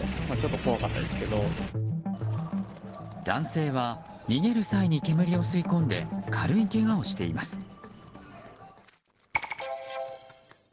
男性は逃げる際に煙を吸い込んで軽いけがをしています。